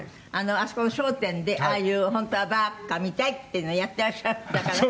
あそこの『笑点』でああいう「本当はバカみたい」っていうのやってらっしゃるんだから。